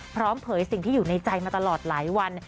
เผยสิ่งที่อยู่ในใจมาตลอดหลายวัน